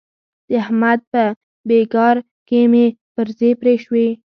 د احمد په بېګار کې مې برځې پرې شوې.